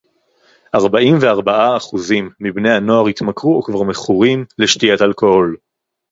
ארבעים וארבעה אחוזים מבני הנוער התמכרו או כבר מכורים לשתיית אלכוהול